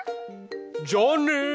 じゃあね。